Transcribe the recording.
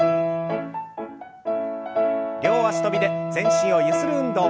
両脚跳びで全身をゆする運動。